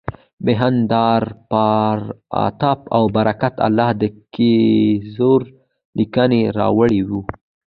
مهیندراپراتاپ او برکت الله د کیزر لیکونه راوړي وو.